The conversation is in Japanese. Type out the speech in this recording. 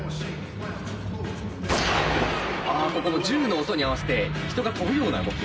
あここも銃の音に合わせて人が飛ぶような動き。